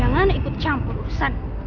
jangan ikut campur urusan